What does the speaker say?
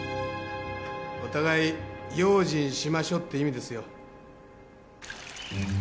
お互い用心しましょって意味ですよ。